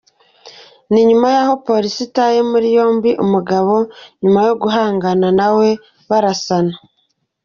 Ni nyuma yaho Polisi itaye muri yombi umugabo nyuma yo guhangana nawe barasana.